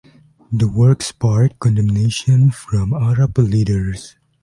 The works sparked condemnation from Arab leaders.